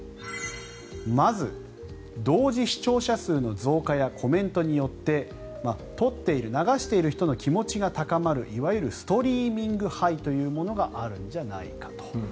まず、同時視聴者数の増加やコメントによって撮っている、流している人の気持ちが高まるいわゆるストリーミングハイというものがあるんじゃないかと。